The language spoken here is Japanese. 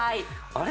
あれ？